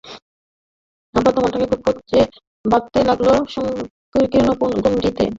অবাধ্য মনটাকে খুব কষে বাঁধতে লাগল সংকীর্ণ গণ্ডিতে, শুষ্ক কর্তব্যের খোঁটায়।